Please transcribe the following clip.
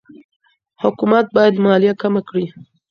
حکومت باید مالیه کمه کړي.